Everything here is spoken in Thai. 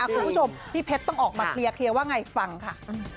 คุณผู้ชมพี่เพชรต้องออกมาเคลียร์ว่าไงฟังค่ะ